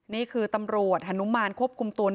นี่คือตำรวจฮนุมานควบคุมตัวในรถผู้หญิง